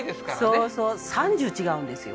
そうそう３０違うんですよ